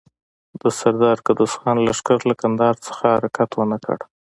د سردار قدوس خان لښکر له کندهار څخه حرکت ونه کړ.